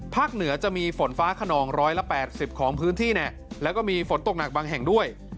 เหนือจะมีฝนฟ้าขนอง๑๘๐ของพื้นที่แล้วก็มีฝนตกหนักบางแห่งด้วย